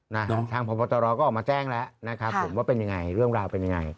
ทางพบตรก็ออกมาแจ้งแล้วนะครับผมว่าเป็นยังไงเรื่องราวเป็นยังไง